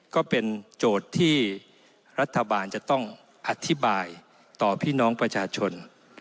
ก็เป็นโจทย์ที่รัฐบาลจะต้องอธิบายต่อพี่น้องประชาชน